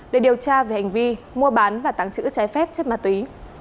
để điều tra về hành vi mua bán và tàng trữ trái phép chất ma túy